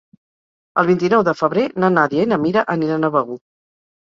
El vint-i-nou de febrer na Nàdia i na Mira aniran a Begur.